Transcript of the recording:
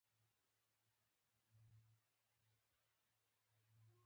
لنډه کيسه د اوسني پرمختللي عصر زېږنده او پيداوار دی